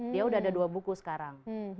dia udah ada dua buku sekarang